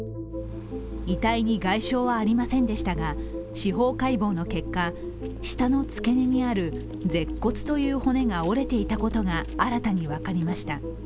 遺体に外傷はありませんでしたが司法解剖の結果、舌のつけ根にある舌骨という骨が折れていたことが新たに分かりました。